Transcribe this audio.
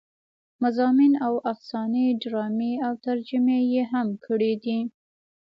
مضامين او افسانې ډرامې او ترجمې يې هم کړې دي